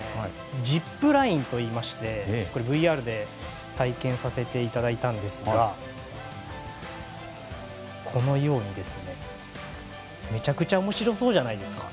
ジップラインといいましてＶＲで体験させていただいたんですがこのように、めちゃくちゃ面白そうじゃないですか。